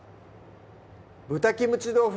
「豚キムチ豆腐」